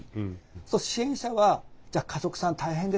そうすると支援者はじゃあ家族さん大変ですよねって。